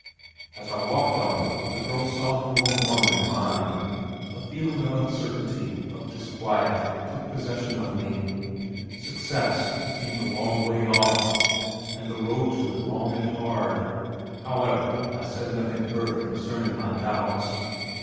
As I walked on, the girl's soft warm arm in mine, a feeling of uncertainty, of disquiet, took possession of me. "Success" seemed a long way off and the road to it long and hard. However, I said nothing further concerning my doubts.